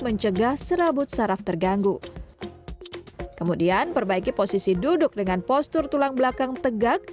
mencegah serabut saraf terganggu kemudian perbaiki posisi duduk dengan postur tulang belakang tegak